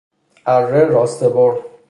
اره راسته بر